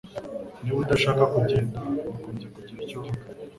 Niba udashaka kugenda, wagombye kugira icyo uvuga.